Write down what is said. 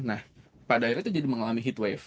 nah pada akhirnya itu jadi mengalami heatwave